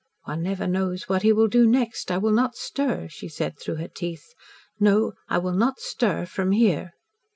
"One never knows what he will do next; I will not stir," she said through her teeth. "No, I will not stir from here."